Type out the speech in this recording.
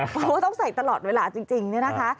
เพราะว่าต้องใส่ตลอดเวลาจริงเนี่ยนะคะ